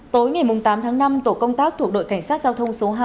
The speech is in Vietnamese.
tối ngày tám tháng năm tổ công tác thuộc đội cảnh sát giao thông số hai